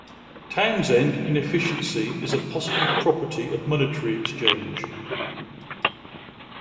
Townsend inefficiency is a possible property of monetary exchange.